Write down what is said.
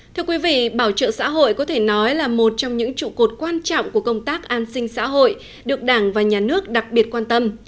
thưa quý vị bảo trợ xã hội có thể nói là một trong những trụ cột quan trọng của công tác an sinh xã hội được đảng và nhà nước đặc biệt quan tâm